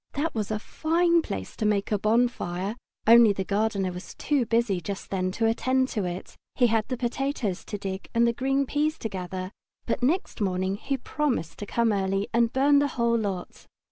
That was a fine place to make a bonfire, only the gardener was too busy just then to attend to it. He had the potatoes to dig and the green peas to gather, but next morning he promised to come quite early and burn the whole lot.